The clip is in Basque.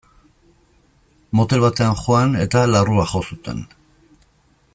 Motel batean joan eta larrua jo zuten.